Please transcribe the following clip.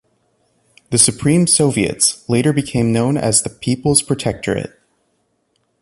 The Supreme Soviets later became known as the People's Protectorate.